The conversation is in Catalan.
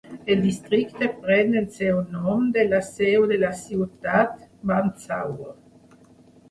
El districte pren el seu nom de la seu de la ciutat, Mandsaur.